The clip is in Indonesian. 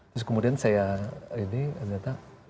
terus kemudian saya ini ternyata